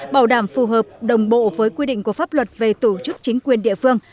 bảo đảm phù hợp đồng bộ với quy định của pháp luật về tổ chức chính quyền địa phương